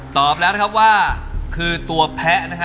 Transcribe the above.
ตอบแล้วนะครับว่าคือตัวแพะนะฮะ